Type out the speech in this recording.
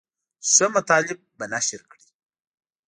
ښه مطالب به نشر کړي.